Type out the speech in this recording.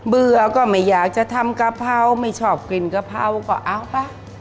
เบื่อก็ไม่อยากจะทำกะเพราไม่ชอบกลิ่นกะเพราก็เอาไป